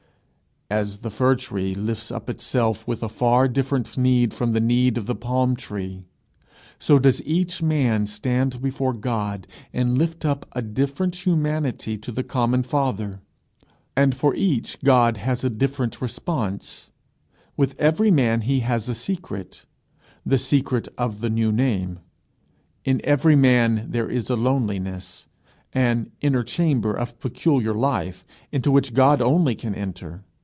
As the fir tree lifts up itself with a far different need from the need of the palm tree, so does each man stand before God, and lift up a different humanity to the common Father. And for each God has a different response. With every man he has a secret the secret of the new name. In every man there is a loneliness, an inner chamber of peculiar life into which God only can enter.